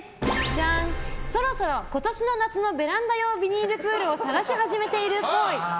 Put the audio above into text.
そろそろ今年の夏のベランダ用ビニールプールを探し始めているっぽい。